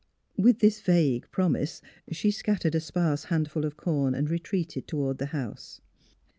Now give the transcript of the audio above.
With this vague promise she scattered a sparse handful of corn and retreated toward the house.